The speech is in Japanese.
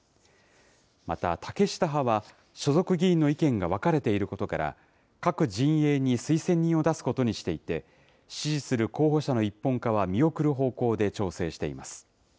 また、竹下派は、所属議員の意見が分かれていることから、各陣営に推薦人を出すことにしていて、支持する候補者の一本化は見送る方向で調整しています。